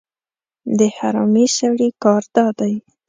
د حرامي سړي کار دا دی